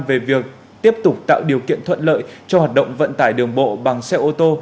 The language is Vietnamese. về việc tiếp tục tạo điều kiện thuận lợi cho hoạt động vận tải đường bộ bằng xe ô tô